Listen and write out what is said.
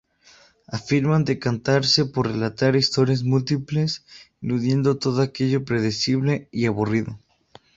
Afirman decantarse por relatar historias múltiples, eludiendo todo aquello predecible y aburrido.